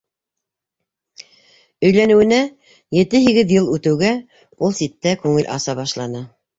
Өйләнеүенә ете-һигеҙ йыл үтеүгә, ул ситтә күңел аса башланы.